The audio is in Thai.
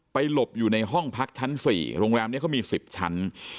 หลบอยู่ในห้องพักชั้น๔โรงแรมนี้เขามี๑๐ชั้น